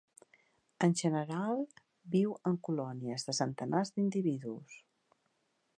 En general, viu en colònies de centenars d'individus.